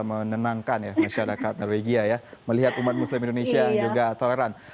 menenangkan ya masyarakat norwegia ya melihat umat muslim indonesia juga toleran